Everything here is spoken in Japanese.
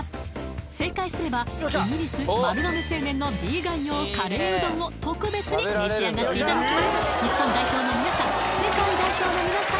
正解すればイギリス丸亀製麺のヴィーガン用カレーうどんを特別に召し上がっていただきます日本代表の皆さん世界代表の皆さん